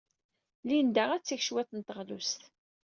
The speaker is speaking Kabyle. Linda ad d-teg cwiṭ n teɣlust.